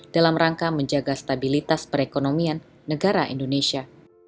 dalam rangka menjaga stabilitas perekonomian negara indonesia